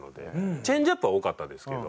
チェンジアップは多かったんですけど。